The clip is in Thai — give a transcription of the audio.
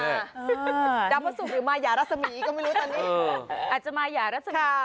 ดาวประสุกหรือมายารสมีก็ไม่รู้ตอนนี้อาจจะมายารสมีค่ะ